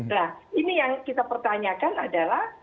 nah ini yang kita pertanyakan adalah